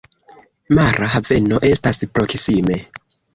Mara haveno estas proksime.